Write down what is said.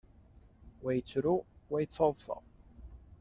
Wa yettru, wa yettaḍṣa.